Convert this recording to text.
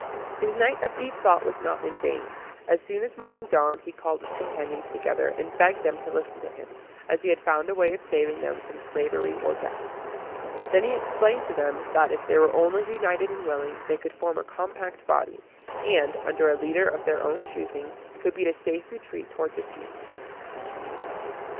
His night of deep thought was not in vain; and as soon as morning dawned he called his companions together, and begged them to listen to him, as he had found a way of saving them from slavery or death. Then he explained to them, that, if they were only united and willing, they could form a compact body, and, under a leader of their own choosing, could beat a safe retreat toward the sea.